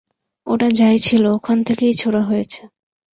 ওটা যাই ছিল, ওখান থেকেই ছোড়া হয়েছে।